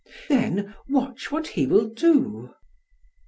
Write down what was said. Then watch what he will do."